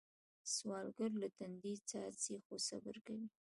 سوالګر له تندي څاڅي خو صبر کوي